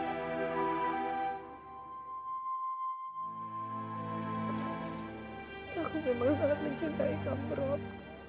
aku memang sangat mencintai kamu perut